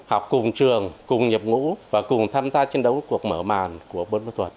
học cùng trường cùng nhập ngũ và cùng tham gia chiến đấu cuộc mở màn của bốn quân thuật